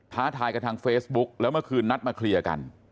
ท้าทายกันทางเฟซบุ๊กแล้วเมื่อคืนนัดมาเคลียร์กัน